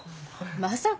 まさか。